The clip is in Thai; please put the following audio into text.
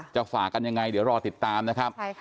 ฝากกันยังไงเดี๋ยวรอติดตามนะครับ